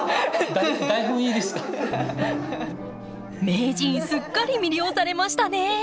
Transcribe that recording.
名人すっかり魅了されましたね。